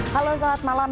halo selamat malam